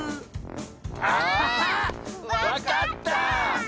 あわかった！